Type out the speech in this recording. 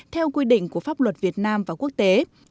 theo quy định của pháp luật việt nam và quốc tế